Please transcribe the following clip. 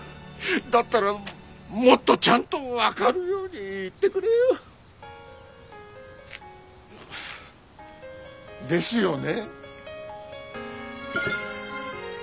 だったらもっとちゃんとわかるように言ってくれよ。ですよね？